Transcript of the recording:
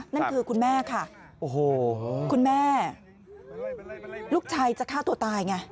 นั่นคือคุณแม่ค่ะโอ้โหคุณแม่ลูกชายจะฆ่าตัวตายไง